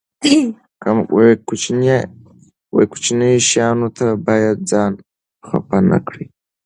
کوچنیو شیانو ته باید ځان خپه نه کړي.